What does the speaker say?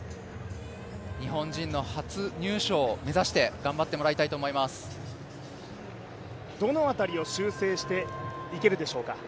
日本人の初入賞を目指してどの辺りを修正していけるでしょうか？